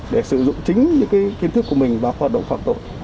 để sử dụng chính những kiến thức của mình và hoạt động hoạt tội